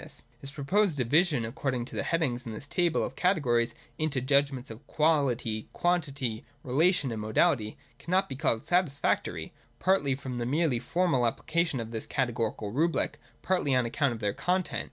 His proposed division, according to the headings in his table of categories, into judgments of quaUty, quantity, relation and modality, can not be called satisfactory, partly from the merely formal application of this categorical rubric, partly on account of their content.